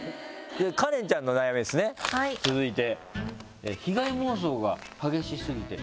カレンちゃんの悩みですね続いて。